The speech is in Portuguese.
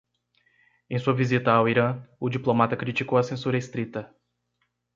Em sua visita ao Irã, o diplomata criticou a censura estrita.